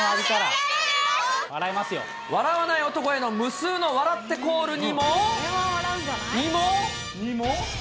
笑わない男への無数の笑ってコールにも。にも。